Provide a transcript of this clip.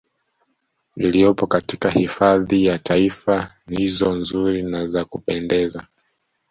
Iliyopo katika hifadhi za Taifa hizo nzuri na za kupendeza